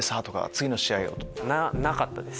「次の試合を」とか。なかったです。